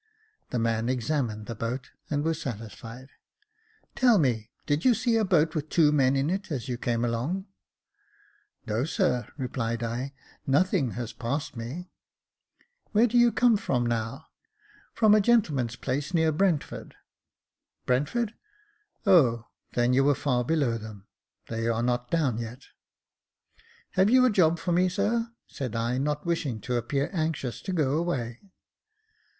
The man examined the boat, and was satisfied. " Tell me, did you see a boat with two men in it as you came along ?" "No, sir," replied I, " nothing has passed me." 30 2 Jacob Faithful '' Where do you come from now ?"" From a gentleman's place near Brentford.*' *' Brentford ? O then you were far below them. They are not down yet." "Have you a job for me, sir?" said I, not wishing to appear anxious to go away.